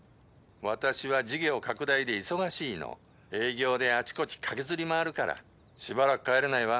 私は事業拡大で忙しいの」「営業であちこち駆けずり回るからしばらく帰れないわ」